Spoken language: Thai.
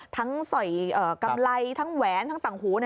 สอยกำไรทั้งแหวนทั้งต่างหู